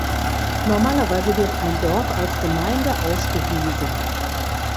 Normalerweise wird ein Dorf als Gemeinde ausgewiesen.